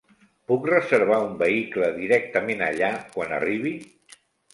Puc reservar un vehicle directament allà quan arribi?